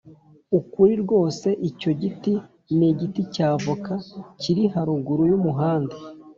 ukuri rwose icyo giti ni igiti cya avoka kiri haruguru y’umuhanda.”